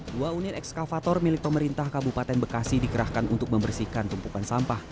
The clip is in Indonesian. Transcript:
dua unit ekskavator milik pemerintah kabupaten bekasi dikerahkan untuk membersihkan tumpukan sampah